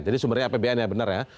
jadi sumbernya apbn ya benar ya